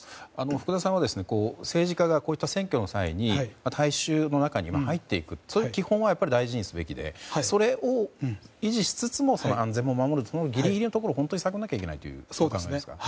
福田さんは政治家がこういった選挙の際に大衆の中に入っていくそういう基本は大事にするべきでそれを維持しつつも安全も守るギリギリのところを探らないといけないと。